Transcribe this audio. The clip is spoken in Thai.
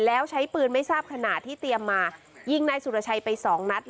แล้วใช้ปืนไม่ทราบขนาดที่เตรียมมายิงนายสุรชัยไปสองนัด